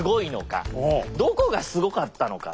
どこがすごかったのか。